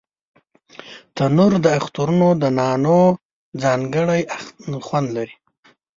تنور د اخترونو د نانو ځانګړی خوند لري